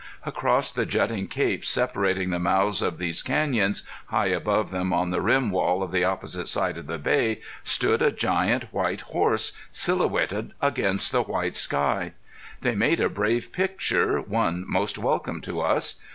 Across the jutting capes separating the mouths of these canyons, high above them on the rim wall of the opposite side of the Bay, stood a giant white horse silhouetted against the white sky. They made a brave picture, one most welcome to us.